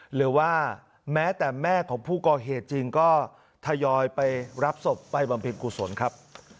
หรือว่าแม้แต่แม่ของผู้ก่อเหตุจริงก็ทยอยไปรับศพไปบำเพ็ญกุศลครับ